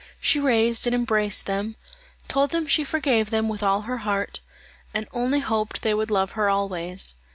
She raised and embraced them: told them she forgave them with all her heart, and only hoped they would love her always.